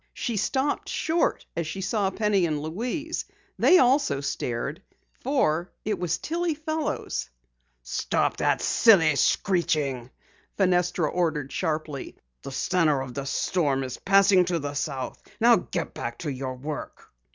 She stopped short as she saw Penny and Louise. They also stared, for it was Tillie Fellows. "Stop that silly screeching!" Fenestra ordered sharply. "The center of the storm is passing to the south. Now get back to your work!"